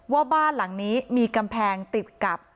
ว่าบ้านหลังนี้มีกำแพงติดกับ